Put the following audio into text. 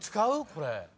これ。